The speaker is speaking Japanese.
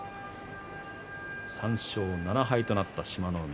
３勝７敗となった志摩ノ海。